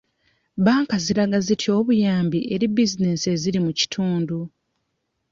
Bbanka ziraga zitya obuyambi eri bizinesi eziri mu kitundu.